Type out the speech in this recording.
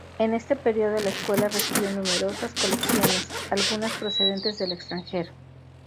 En este periodo la Escuela recibió numerosas colecciones, algunas procedentes del extranjero.